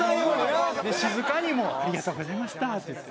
静かにありがとうございましたって言って。